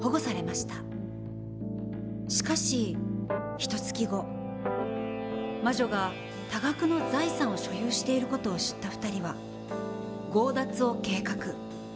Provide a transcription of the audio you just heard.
しかしひとつき後魔女が多額の財産を所有している事を知った２人は強奪を計画。